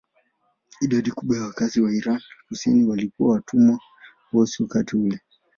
Idadi kubwa ya wakazi wa Irak kusini walikuwa watumwa weusi wakati ule.